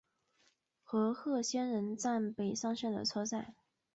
和贺仙人站北上线的车站。